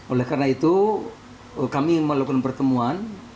oleh karena itu kami melakukan pertemuan